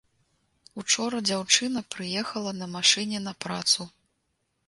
Учора дзяўчына прыехала на машыне на працу.